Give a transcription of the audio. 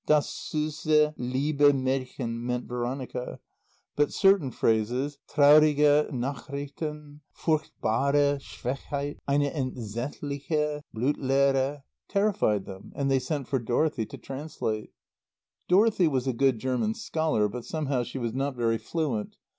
"Das süsse, liebe Mädchen" meant Veronica. But certain phrases: "traurige Nachrichten" ... "furchtbare Schwächheit" ..."... eine entsetzliche Blutleere ..." terrified them, and they sent for Dorothy to translate. Dorothy was a good German scholar, but somehow she was not very fluent.